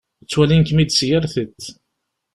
Ttwalin-kem-id s yir tiṭ.